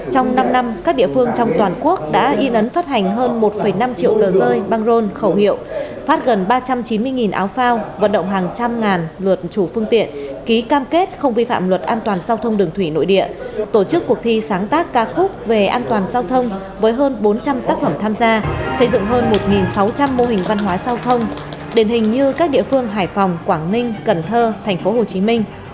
trong năm năm các địa phương trong toàn quốc đã y nấn phát hành hơn một năm triệu tờ rơi băng rôn khẩu hiệu phát gần ba trăm chín mươi áo phao vận động hàng trăm ngàn luật chủ phương tiện ký cam kết không vi phạm luật an toàn giao thông đường thủy nội địa tổ chức cuộc thi sáng tác ca khúc về an toàn giao thông với hơn bốn trăm linh tác phẩm tham gia xây dựng hơn một sáu trăm linh mô hình văn hóa giao thông đền hình như các địa phương hải phòng quảng ninh cần thơ tp hcm